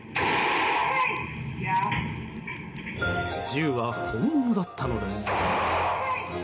銃は本物だったのです。